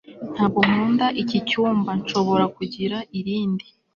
ntabwo nkunda iki cyumba. nshobora kugira irindi